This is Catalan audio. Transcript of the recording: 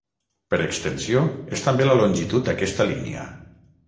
Per extensió, és també la longitud d'aquesta línia.